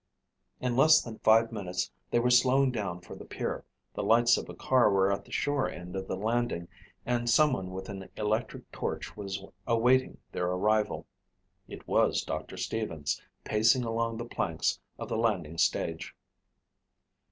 In less than five minutes they were slowing down for the pier. The lights of a car were at the shore end of the landing and someone with an electric torch was awaiting their arrival. It was Doctor Stevens, pacing along the planks of the landing stage.